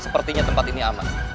sepertinya tempat ini aman